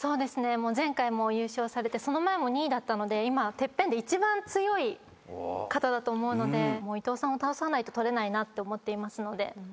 前回も優勝されてその前も２位だったので今ＴＥＰＰＥＮで一番強い方だと思うので伊藤さんを倒さないと取れないなって思っていますので。